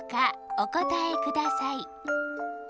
おこたえください。